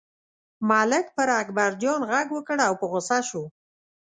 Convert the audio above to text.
ملک پر اکبرجان غږ وکړ او په غوسه شو.